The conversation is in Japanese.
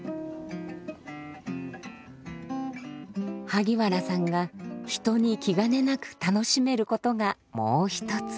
萩原さんが人に気兼ねなく楽しめることがもう一つ。